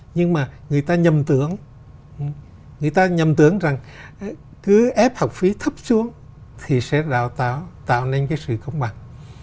nhưng mà người ta nhầm tưởng người ta nhầm tưởng rằng cứ ép hậu phí thấp xuống thì sẽ tạo nên cái sự cống bằng